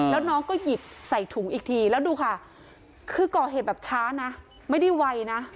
แล้วน้องก็หยิบใส่ถุงอีกทีแล้วดูค่ะคือก่อเหตุแบบช้านะไม่ได้ไวนะ